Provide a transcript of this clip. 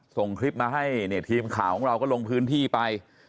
ส่งคลิปมาให้เนี่ยทีมข่าวของเราก็ลงพื้นที่ไป